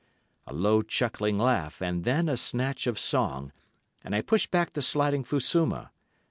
A low chuckling laugh and then a snatch of song—and I pushed back the sliding fusuma.